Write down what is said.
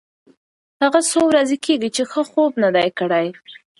هغه څو ورځې کېږي چې ښه خوب نه دی کړی.